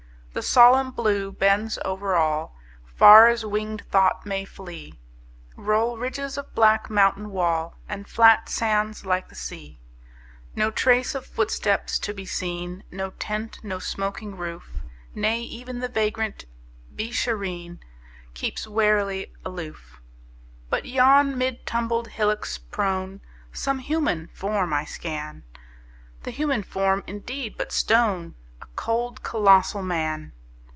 The solemn Blue bends over all; Far as winged thought may flee Roll ridges of black mountain wall, And flat sands like the sea. No trace of footsteps to be seen, No tent, no smoking roof; Nay, even the vagrant Beeshareen Keeps warily aloof. But yon, mid tumbled hillocks prone, Some human form I scan A human form, indeed, but stone: A cold, colossal Man!